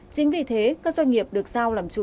chính vì thế các doanh nghiệp được giao làm chủ